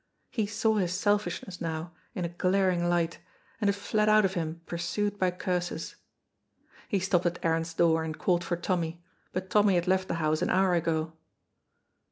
He saw his selfishness now, in a glaring light, and it fled out of him pursued by curses. He stopped at Aaron's door and called for Tommy, but Tommy had left the house an hour ago.